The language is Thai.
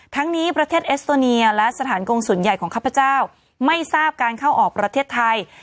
ทั้งนี้ประเทศเอสโตเนียและสถานกงศูนย์ใหญ่ของข้าพเจ้าไม่ทราบการเข้าออกประเทศไทย